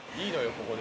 ここで。